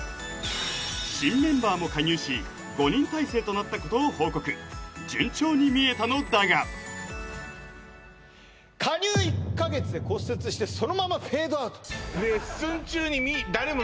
新メンバーも加入し５人体制となったことを報告順調に見えたのだが「加入１か月で骨折して」「そのままフェードアウト」え